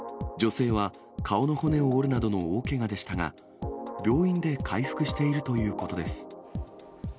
女性は顔の骨を折るなどの大けがでしたが、病院で回復しているということです。